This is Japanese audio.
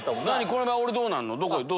この場合俺どうなるの？